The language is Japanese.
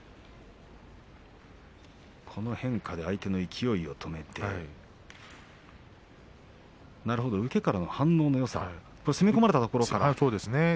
この変化で相手の勢いを止めて受けからの反応のよさ攻め込まれたところからですね。